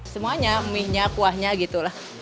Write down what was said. semuanya mie nya kuahnya gitu lah